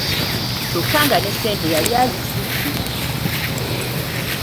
Kyokka nga ne ssente yali azisudde.